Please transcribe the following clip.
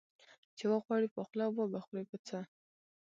ـ چې وغواړې په خوله وبه خورې په څه.